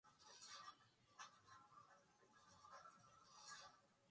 Kabla ya mwingiliano na Wazungu shanga zilikuwa zinatengenezwa kutokana vifaa vya kienyeji